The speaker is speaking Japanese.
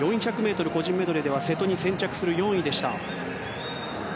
４００ｍ個人メドレーでは瀬戸に先着する４位でした。